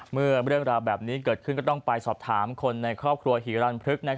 เมื่อเรื่องราวแบบนี้เกิดขึ้นก็ต้องไปสอบถามคนในครอบครัวหิรันพฤกษ์